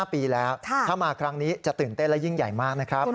๕ปีแล้วถ้ามาครั้งนี้จะตื่นเต้นและยิ่งใหญ่มากนะครับ